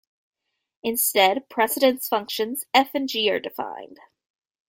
Instead, precedence functions f and g are defined.